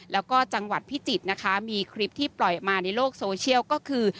แล้วก็จังหวัดพิจิตรนะคะมีคลิปที่ปล่อยออกมาในโลกโซเชียลก็คือ